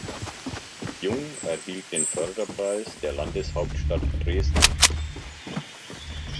Jung erhielt den Förderpreis der Landeshauptstadt Dresden.